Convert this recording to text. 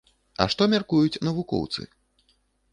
А што мяркуюць навукоўцы?